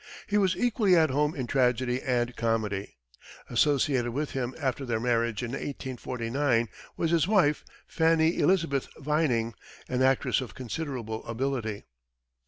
He was equally at home in tragedy and comedy. Associated with him after their marriage in 1849 was his wife, Fanny Elizabeth Vining, an actress of considerable ability.